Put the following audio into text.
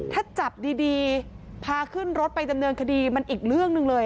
ถ้าจับดีพาขึ้นรถไปดำเนินคดีมันอีกเรื่องหนึ่งเลย